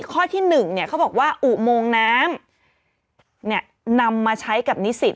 ข้อที่หนึ่งเขาบอกว่าอุโมงน้ำนำมาใช้กับนิสิต